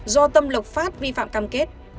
do tâm lộc pháp vi phạm cam kết